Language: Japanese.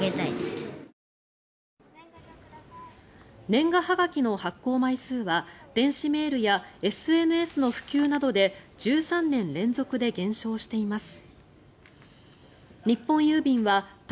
年賀はがきの発行枚数は電子メールやＳＮＳの普及などで１３年連続で減少しています。